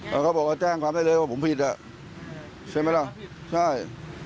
เราก็บอกว่าแจ้งความใจเร็วว่าผมผิดใช่ไหมล่ะใช่